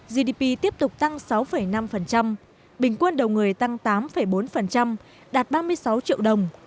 gdp tiếp tục tăng sáu năm bình quân đầu người tăng tám bốn đạt ba mươi sáu triệu đồng